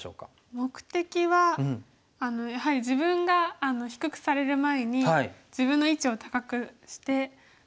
目的はやはり自分が低くされる前に自分の位置を高くして模様を作りたいっていう。